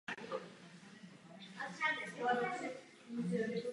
Územní zisky na francouzském úseku fronty byly malé.